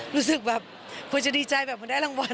รู้สึกแบบพอจะดีใจแบบพอได้รางวัล